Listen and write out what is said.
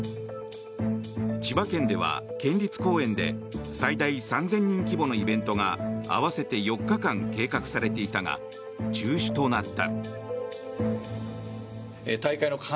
千葉県では県立公園で最大３０００人規模のイベントが合わせて４日間計画されていたが中止となった。